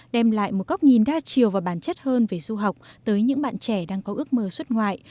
đem lại một góc nhìn đa chiều và bản chất hơn về du học tới những bạn trẻ đang có ước mơ xuất ngoại